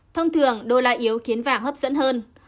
thông thường đô la yếu khiến vàng hấp dẫn hơn